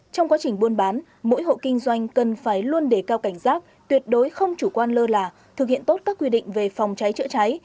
trong quá trình buôn bán mỗi hộ kinh doanh cần phải luôn đề cao cảnh giác tuyệt đối không chủ quan lơ là thực hiện tốt các quy định về phòng cháy chữa cháy